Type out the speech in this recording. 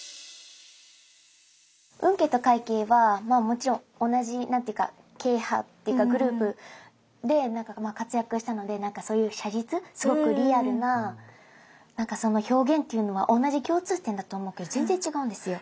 運慶と快慶はもちろん同じ何て言うか慶派っていうかグループで活躍したので写実すごくリアルな表現っていうのは同じ共通点だと思うけど全然違うんですよ。